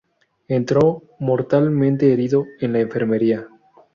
Entró mortalmente herido en la enfermería.